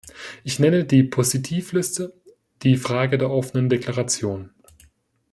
Ich nenne die Positivliste, die Frage der offenen Deklaration.